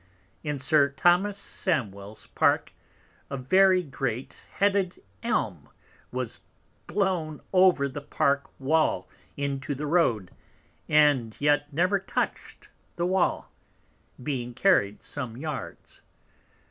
In Sir Thomas Samwell's Park a very great headed Elm was blown over the Park Wall into the Road, and yet never touched the Wall, being carried some Yards.